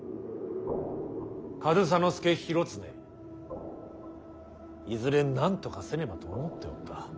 上総介広常いずれなんとかせねばと思っておった。